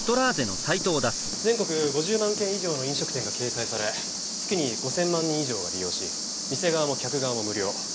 全国５０万件以上の飲食店が掲載され月に５０００万人以上が利用し店側も客側も無料。